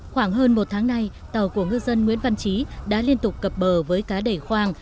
khoảng hơn một tháng nay tàu của ngư dân nguyễn văn trí đã liên tục cập bờ với cá đẩy khoang